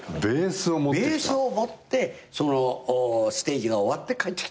ベースを持ってステージが終わって帰ってきたらしいのよ。